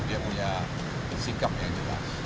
dia punya sikap yang jelas